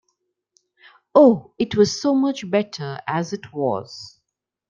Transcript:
Oh, it was so much better as it was!